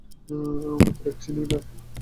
মাত্র এক সেন্টিমিটার?